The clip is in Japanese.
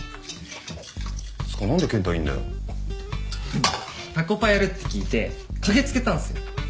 フフッタコパやるって聞いて駆け付けたんすよ。